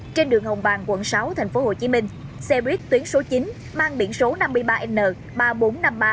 trên đường hồng bàng quận sáu tp hcm xe buýt tuyến số chín mang biển số năm mươi ba n ba nghìn bốn trăm năm mươi ba